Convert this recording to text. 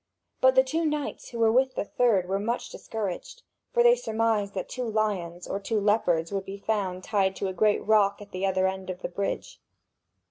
But the two knights who were with the third were much discouraged; for they surmised that two lions or two leopards would be found tied to a great rock at the other end of the bridge.